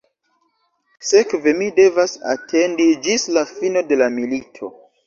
Sekve mi devas atendi ĝis la fino de la milito.